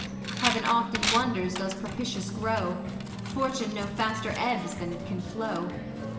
Heav'n oft in wonders does propitious grow, Fortune no faster ebbs than it can flow.